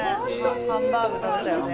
ハンバーグ食べたよね。